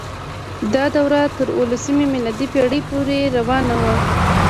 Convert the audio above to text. دا دوره تر اوولسمې میلادي پیړۍ پورې روانه وه.